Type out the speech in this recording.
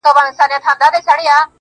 • چا ويل ډېره سوخي كوي.